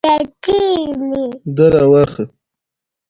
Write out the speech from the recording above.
ازادي راډیو د اقلیتونه په اړه د خلکو وړاندیزونه ترتیب کړي.